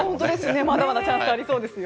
まだまだチャンスありそうですよ。